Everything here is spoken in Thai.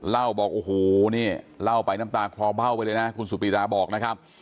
เล่าบอกโอ้โหนี่เล่าไปน้ำตาคลอเบ้าไปเลยนะคุณสุปีดาบอกนะครับ